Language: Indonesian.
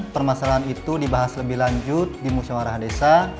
permasalahan itu dibahas lebih lanjut di musyawarah desa